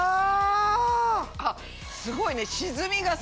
あっすごいね。